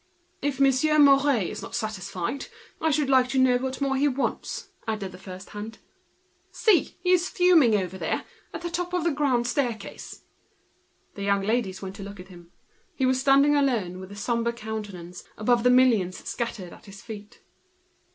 "If Monsieur Mouret is not satisfied, I should like to know what more he wants," added the first hand. "See! he's over there, at the top of the grand staircase, looking furious." The young ladies went to look at him. He was standing alone, with a sombre countenance, above the millions scattered at his feet.